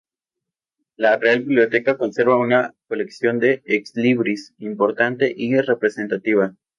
La Real Biblioteca conserva una colección de exlibris importante y representativa.